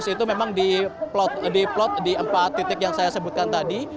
satu lima ratus itu memang diplot di empat titik yang saya sebutkan tadi